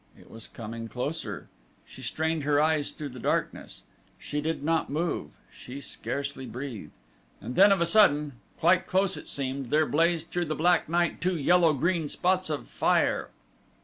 It was coming closer. She strained her eyes through the darkness. She did not move she scarcely breathed. And then, of a sudden, quite close it seemed, there blazed through the black night two yellow green spots of fire.